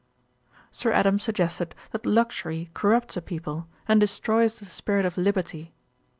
Sir Adam suggested, that luxury corrupts a people, and destroys the spirit of liberty.